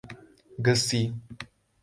گسی